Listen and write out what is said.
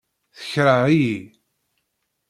Tekṛeh-iyi.